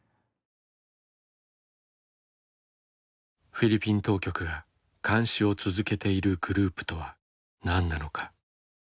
フィリピン当局が監視を続けているグループとは何なのか。